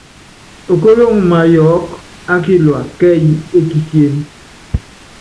Okóloŋ máyɔɔ́k á kilua kɛ́ɛ́y é kisíén.